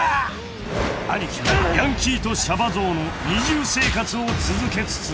［アニキはヤンキーとシャバ僧の二重生活を続けつつ］